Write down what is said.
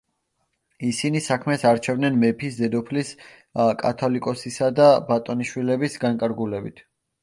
ისინი საქმეს არჩევდნენ მეფის, დედოფლის, კათალიკოსისა და ბატონიშვილების განკარგულებით.